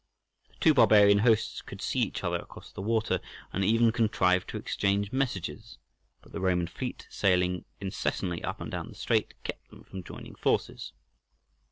The two barbarian hosts could see each other across the water, and even contrived to exchange messages, but the Roman fleet sailing incessantly up and down the strait kept them from joining forces.